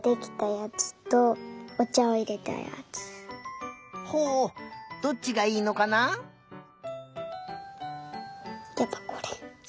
やっぱこれ。